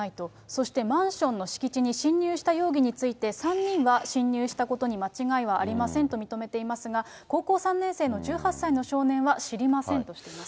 そしてマンションの敷地に侵入した容疑について３人は、侵入したことに間違いありませんと認めていますが、高校３年生の１８歳の少年は、知りませんとしています。